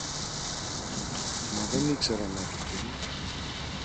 Μα δεν ήξεραν να του πουν.